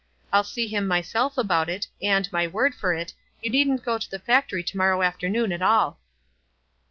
I'll see him myself about it, and, my word for it, you needn't go to the factory to morrow afternoon at all."